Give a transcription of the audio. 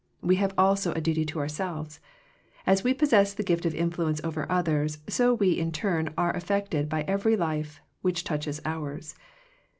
We have also a duty to ourselves. As we possess the gift of influence over others, so we in turn are affected by every life which touches ours.